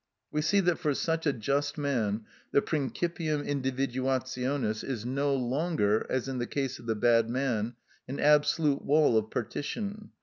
We see that for such a just man the principium individuationis is no longer, as in the case of the bad man, an absolute wall of partition.